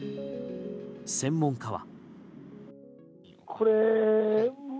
専門家は。